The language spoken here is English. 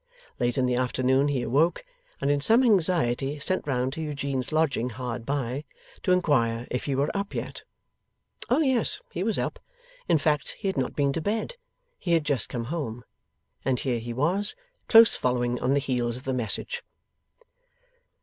Late in the afternoon he awoke, and in some anxiety sent round to Eugene's lodging hard by, to inquire if he were up yet? Oh yes, he was up. In fact, he had not been to bed. He had just come home. And here he was, close following on the heels of the message.